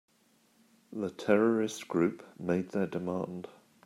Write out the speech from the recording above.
The terrorist group made their demand.